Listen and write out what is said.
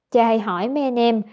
cha hãy hỏi mẹ em